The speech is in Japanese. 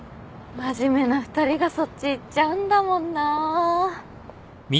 真面目な２人がそっちいっちゃうんだもんな。